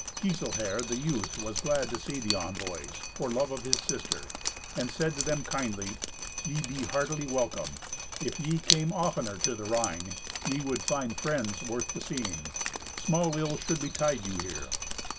Giselher, the youth, was glad to see the envoys, for love of his sister, and said to them kindly, "Ye be heartily welcome. If ye came oftener to the Rhine, ye would find friends worth the seeing. Small ill should betide you here."